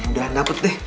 udah dapet deh